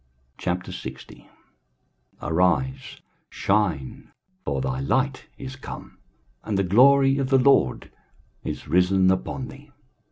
23:060:001 Arise, shine; for thy light is come, and the glory of the LORD is risen upon thee.